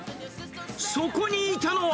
そこにいたのは。